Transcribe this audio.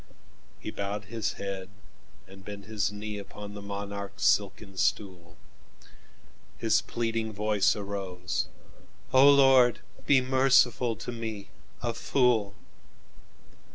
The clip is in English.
He bowed his head, and bent his kneeUpon the monarch's silken stool; His pleading voice arose: "O Lord, Be merciful to me, a fool!